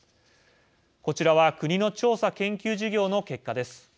こちらは国の調査研究事業の結果です。